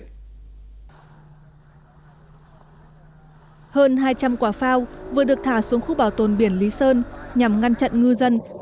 hơn hai trăm linh quả phao vừa được thả xuống khu bảo tồn biển lý sơn nhằm ngăn chặn ngư dân